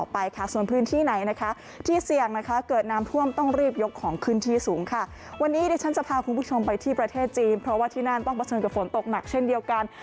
เพื่อให้คุณไปที่ประเทศจีนเพราะที่นั่นต้องประชุมภนตกหนักกัน